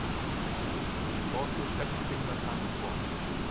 See also static single assignment form.